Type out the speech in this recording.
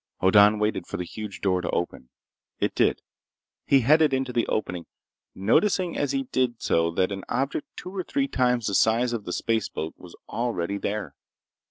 Hoddan waited for the huge door to open. It did. He headed into the opening, noticing as he did so that an object two or three times the size of the spaceboat was already there.